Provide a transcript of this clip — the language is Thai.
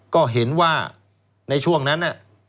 ก็เห็นว่าในช่วงนั้น